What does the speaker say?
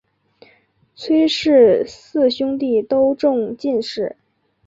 崔氏四兄弟都中进士。